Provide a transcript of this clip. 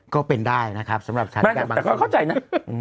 ก็เป็นได้นะครับสำหรับฉันอีกหลังคืออึ้มอื้อไม่แต่เขาเข้าใจนะ